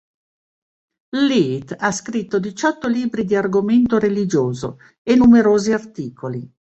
Leith ha scritto diciotto libri di argomento religioso e numerosi articoli.